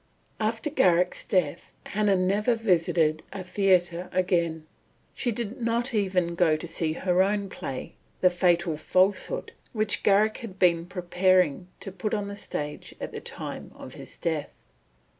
After Garrick's death Hannah never visited a theatre again. She did not even go to see her own play, The Fatal Falsehood, which Garrick had been preparing to put on the stage at the time of his death.